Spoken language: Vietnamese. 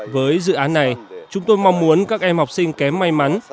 với dự án này chúng tôi mong muốn các em học sinh kém may mắn